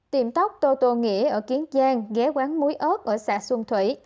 tìm tóc tô tô nghĩa ở kiến giang ghé quán muối ớt ở xã xuân thủy